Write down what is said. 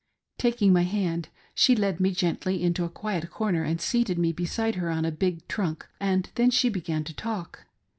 Taking my hand she led me gently into a quiet corner and seated me beside her upon a big trunk, and then she began to talk.